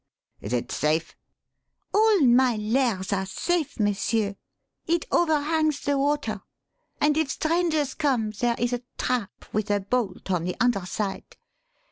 "Is it safe?" "All my 'lairs' are safe, monsieur. It overhangs the water. And if strangers come, there is a trap with a bolt on the under side.